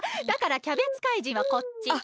だからキャベツ怪人はこっち！